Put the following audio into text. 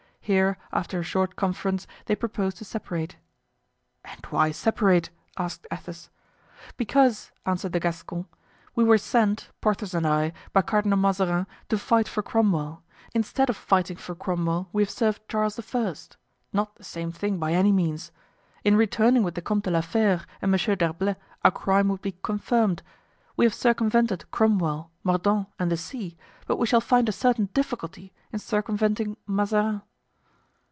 Here, after a short conference, they proposed to separate. "And why separate?" asked Athos. "Because," answered the Gascon, "we were sent, Porthos and I, by Cardinal Mazarin to fight for Cromwell; instead of fighting for Cromwell we have served Charles I.—not the same thing by any means. In returning with the Comte de la Fere and Monsieur d'Herblay our crime would be confirmed. We have circumvented Cromwell, Mordaunt, and the sea, but we shall find a certain difficulty in circumventing Mazarin."